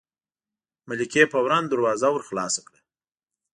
ملکې فوراً دروازه ور خلاصه کړه.